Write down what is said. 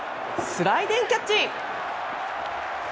スライディングキャッチ！